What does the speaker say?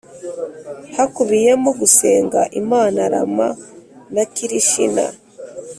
hakubiyemo gusenga imana rama na kirishina